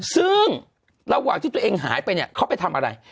ซึ่งระหว่างที่ตัวเองหายไปเนี่ยเขาไปทำอะไร